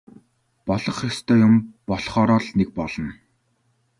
Болох ёстой юм болохоо л нэг болно.